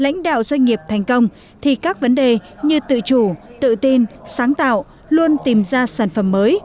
lãnh đạo doanh nghiệp thành công thì các vấn đề như tự chủ tự tin sáng tạo luôn tìm ra sản phẩm mới